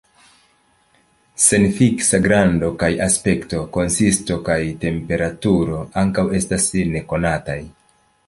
Sen fiksa grando kaj aspekto, konsisto kaj temperaturo ankaŭ estas nekonataj.